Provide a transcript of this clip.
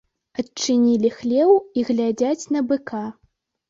Адчынілі хлеў і глядзяць на быка.